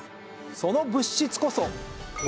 その物質こそ。